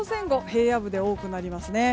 平野部で多くなりますね。